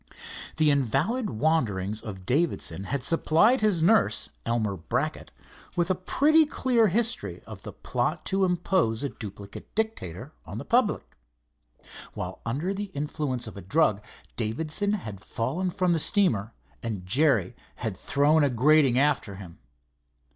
The invalid wanderings of Davidson had supplied his nurse, Elmer Brackett, with a pretty clear history of the plot to impose a duplicate Dictator on the public. While under the influence of a drug, Davidson had fallen from the steamer, and Jerry had thrown a grating after him.